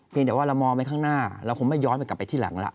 แต่ว่าเรามองไปข้างหน้าเราคงไม่ย้อนไปกลับไปที่หลังละ